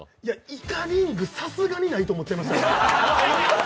イカリング、さすがにないと思いました。